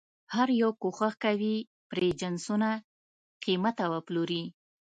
هر یو کوښښ کوي پرې جنسونه قیمته وپلوري.